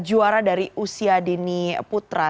juara dari usia dini putra